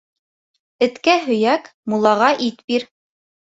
Эткә һөйәк, муллаға ит бир.